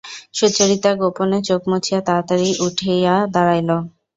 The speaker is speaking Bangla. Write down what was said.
সুচরিতা গোপনে চোখ মুছিয়া তাড়াতাড়ি উঠিয়া দাঁড়াইল।